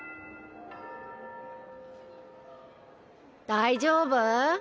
大丈夫？